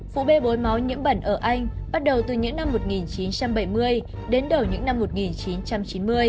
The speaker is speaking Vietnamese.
vụ bê bối máu nhiễm bẩn ở anh bắt đầu từ những năm một nghìn chín trăm bảy mươi đến đầu những năm một nghìn chín trăm chín mươi